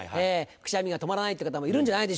くしゃみが止まらないって方もいるんじゃないでしょうか。